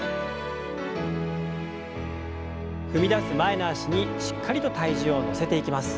踏み出す前の脚にしっかりと体重を乗せていきます。